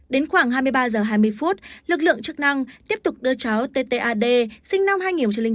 đến khoảng hai mươi ba h hai mươi phút lực lượng chức năng tiếp tục đưa cháu ttad sinh năm hai nghìn một chín